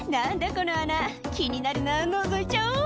この穴気になるなのぞいちゃおう」